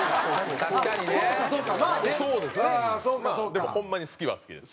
でもホンマに好きは好きです。